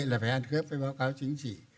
là phải ăn khớp với báo cáo chính trị